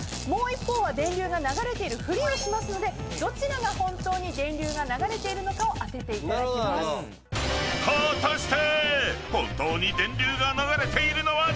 もう一方は電流が流れているフリをしますのでどちらが本当に電流が流れているのかを当てていただきます。